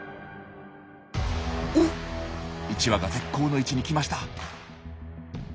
１羽が絶好の位置に来ました。